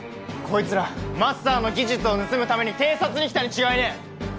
こいつらマスターの技術を盗むために偵察に来たに違いねえ！